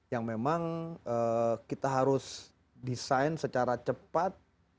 yang memang kita harus desain secara cepat